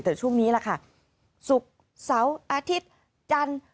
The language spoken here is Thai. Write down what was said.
แต่ช่วงนี้ล่ะค่ะศุกร์เสาร์อาทิตย์จันทร์